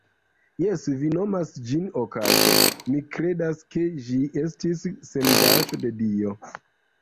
Jes, vi nomas ĝin okazo, mi kredas, ke ĝi estis sendaĵo de Dio.